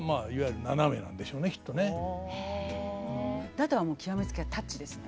あとは極め付きはタッチですね。